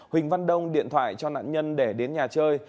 huỳnh văn đông điện thoại cho nạn nhân để đến nhà chơi